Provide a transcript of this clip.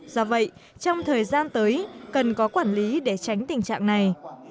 do vậy trong thời gian tới cần có quản lý để tránh tình trạng này